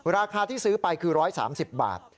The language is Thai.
ราคาที่ซื้อไปคือ๑๓๐บาท